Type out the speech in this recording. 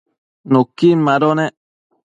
nuquin mado nec